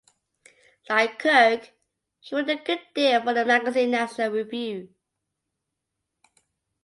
Like Kirk, he wrote a good deal for the magazine National Review.